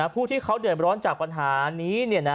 ผู้ที่เขาเดือดร้อนจากปัญหานี้